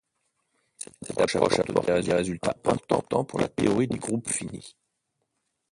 Cette approche apporte des résultats importants pour la théorie des groupes finis.